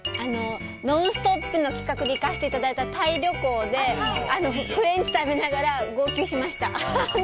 「ノンストップ！」の企画で行かせていただいたタイ旅行でフレンチ食べながら号泣しました。